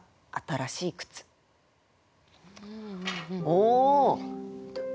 おお！